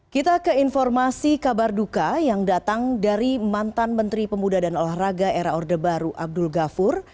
kita ke informasi kabar duka yang datang dari mantan menteri pemuda dan olahraga era orde baru abdul ghafur